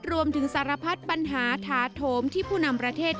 รวมถึงสารพัดปัญหาทาโทมที่ผู้นำประเทศ